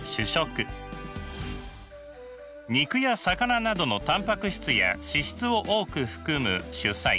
肉や魚などのタンパク質や脂質を多く含む主菜。